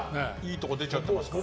いいところ出ちゃっていますから。